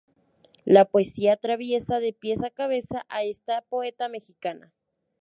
La poesía atraviesa de pies a cabeza a esta poeta mexicana.